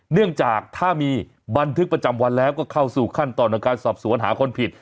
เนื่องจากถ้ามีบันทึกประจำวันแล้วก็เข้าสู่ขั้นตอนของการสอบสวนหาคนผิด